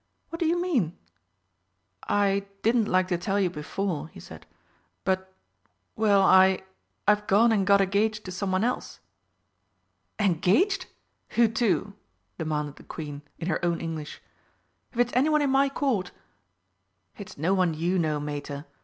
What do you mean?" "I didn't like to tell you before," he said, "but well, I I've gone and got engaged to someone else." "Engaged! Who to?" demanded the Queen, in her own English. "If it's anyone in my Court !" "It's no one you know, Mater.